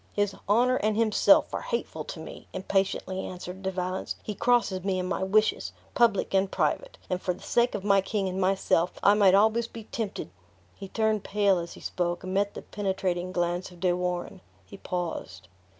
"His honor and himself are hateful to me!" impatiently answered De Valence; "he crosses me in my wishes, public and private; and for the sake of my king and myself, I might almost be tempted " He turned pale as he spoke, and met the penetrating glance of De Warenne. He paused.